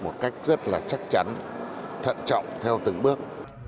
một cách rất là chắc chắn thận trọng theo từng bước